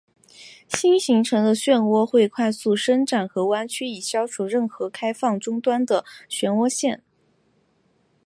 新形成的涡旋会快速伸展和弯曲以消除任何开放终端的涡旋线。